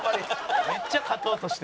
めっちゃ勝とうとしてる。